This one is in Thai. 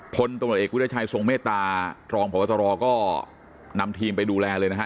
พลตำรวจเอกวิทยาชัยทรงเมตตารองพบตรก็นำทีมไปดูแลเลยนะฮะ